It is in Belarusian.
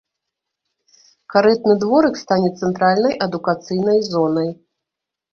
Карэтны дворык стане цэнтральнай адукацыйнай зонай.